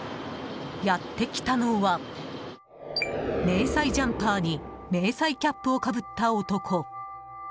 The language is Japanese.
やってきたのは迷彩ジャンパーに迷彩キャップをかぶった男。